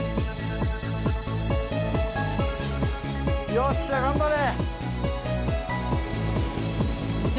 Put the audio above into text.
・よっしゃ頑張れ！